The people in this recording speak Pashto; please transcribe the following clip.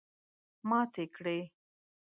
ماتې کړې.